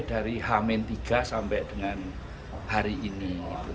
dari h tiga sampai dengan hari ini